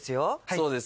そうです。